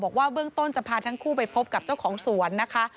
บอกว่าเบื้องต้นจะพาทั้งคู่ไปพบกับเจ้าของสวนนะคะ